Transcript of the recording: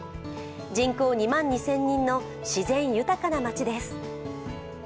人口２万２０００人の自然豊かな町です